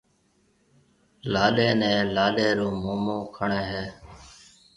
لاڏَي نيَ لاڏَي رو مومون کڻيَ ھيَََ